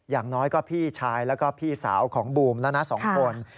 อย่างน้อยก็พี่ชายแล้วก็พี่สาวของบูมแล้วนะ๒คน